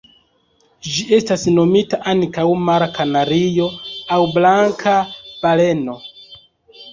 Ĝi estas nomita ankaŭ Mara kanario aŭ Blanka baleno.